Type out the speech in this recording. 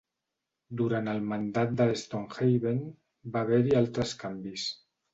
Durant el mandat de Stonehaven va haver-hi altres canvis.